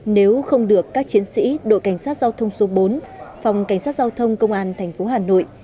nếu không được các chiến sĩ đội cảnh sát giao thông số bốn phòng cảnh sát giao thông công an thành phố hà nội